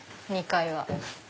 ２階は。